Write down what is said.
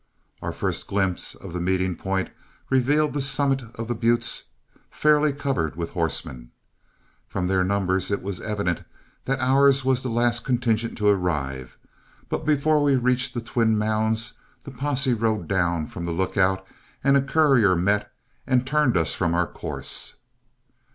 Our first glimpse of the meeting point revealed the summit of the buttes fairly covered with horsemen. From their numbers it was evident that ours was the last contingent to arrive; but before we reached the twin mounds, the posse rode down from the lookout and a courier met and turned us from our course.